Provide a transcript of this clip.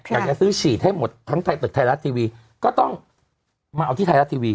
อยากจะซื้อฉีดให้หมดทั้งไทยตึกไทยรัฐทีวีก็ต้องมาเอาที่ไทยรัฐทีวี